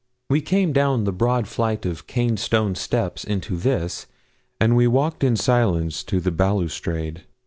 We came down the broad flight of Caen stone steps into this, and we walked in silence to the balustrade.